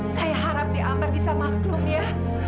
saya harap diambar bisa maklum ya